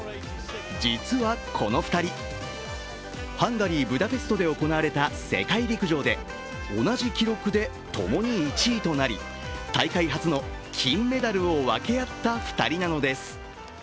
実はこの２人、ハンガリー・ブダペストで行われた世界陸上で同じ記録で共に１位となり、大会初の金メダルを分け合った２人なのです。